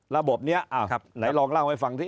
ระบบนี้ลองล่างไว้ฟังสิ